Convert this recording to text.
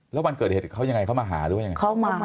แล้ววันเกิดเหตุเขายังไงเขามาหาหรือว่ายังไง